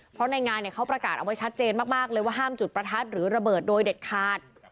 เพราะในงานเขาประกาศเอาไว้ชัดเจนมากเลยว่าห้ามจุดประทัดหรือระเบิดโดยเด็ดขาด